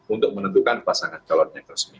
untuk menentukan pasangan calon yang resmi